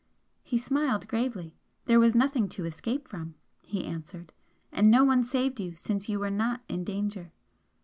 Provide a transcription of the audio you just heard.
He smiled gravely. "There was nothing to escape from" he answered "And no one saved you since you were not in danger."